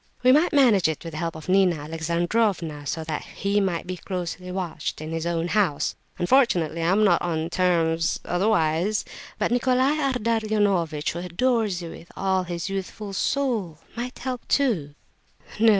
We might manage it with the help of Nina Alexandrovna, so that he might be closely watched in his own house. Unfortunately I am not on terms... otherwise... but Nicolai Ardalionovitch, who adores you with all his youthful soul, might help, too." "No, no!